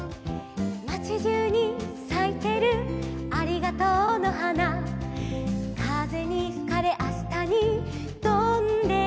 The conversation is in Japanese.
「まちじゅうにさいてるありがとうの花」「風にふかれあしたにとんでいく」